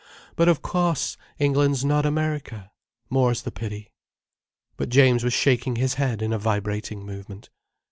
But of cauce, England's not America—more's the pity." But James was shaking his head in a vibrating movement.